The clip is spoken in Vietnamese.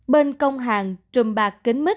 bên công hàng trùm bạc kến mít